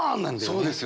そうですよね。